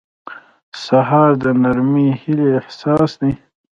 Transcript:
سهار د نرمې هیلې احساس دی.